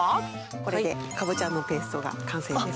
これでカボチャのペーストが完成です！